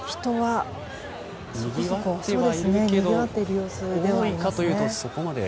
にぎわってはいるけど多いかというと、そこまで。